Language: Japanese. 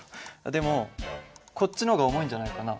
でもこっちの方が重いんじゃないかな。